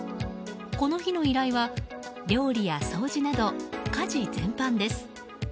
この日の依頼は、料理や掃除など家事全般です。